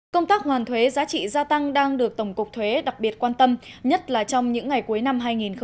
công tác hoàn thuế giá trị gia tăng đang được tổng cục thuế đặc biệt quan tâm nhất là trong những ngày cuối năm hai nghìn một mươi chín